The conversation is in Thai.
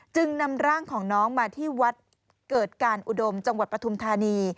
จึงนำร่างของน้องมาที่วัดเกิดการอุดมจังหวัดปฐุมธานี